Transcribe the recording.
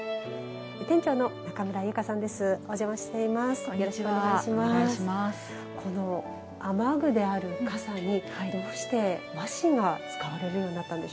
店長の中村由佳さんです。